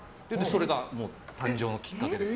それが誕生のきっかけです。